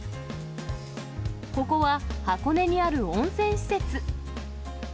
ここは箱根にある温泉施設。